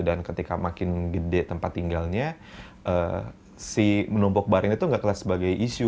dan ketika makin gede tempat tinggalnya si menumpuk barang itu nggak kelihatan sebagai isu